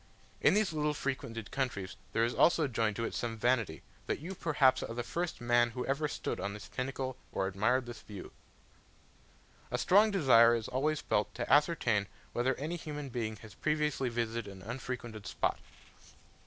In these little frequented countries there is also joined to it some vanity, that you perhaps are the first man who ever stood on this pinnacle or admired this view. A strong desire is always felt to ascertain whether any human being has previously visited an unfrequented spot.